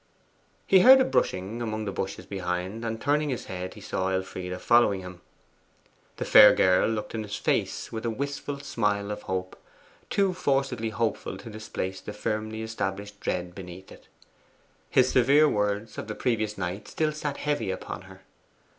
He heard a brushing among the bushes behind, and turning his head he saw Elfride following him. The fair girl looked in his face with a wistful smile of hope, too forcedly hopeful to displace the firmly established dread beneath it. His severe words of the previous night still sat heavy upon her.